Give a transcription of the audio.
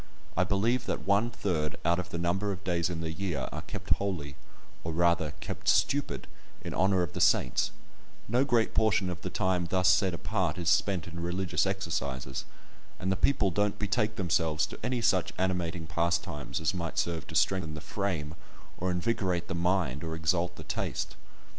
I believe that one third out of the number of days in the year are "kept holy," or rather, kept stupid, in honour of the saints; no great portion of the time thus set apart is spent in religious exercises, and the people don't betake themselves to any such animating pastimes as might serve to strengthen the frame, or invigorate the mind, or exalt the taste.